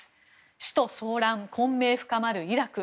首都騒乱、混迷深まるイラク。